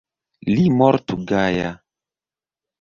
Li mortu gaja.